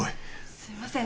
すいません